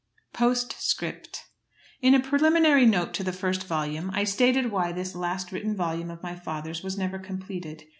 POSTSCRIPT. In a preliminary note to the first volume I stated why this last written novel of my father's was never completed.